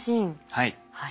はい。